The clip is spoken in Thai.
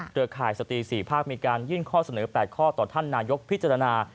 ข่ายสตรี๔ภาคมีการยื่นข้อเสนอ๘ข้อต่อท่านนายกพิจารณา